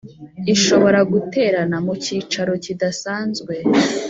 Ishobora guterana mu cyicaro kidasanzwe